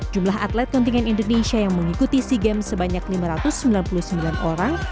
jumlah atlet kontingen indonesia yang mengikuti sea games sebanyak lima ratus sembilan puluh sembilan orang